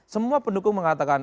tapi pendukung mengatakan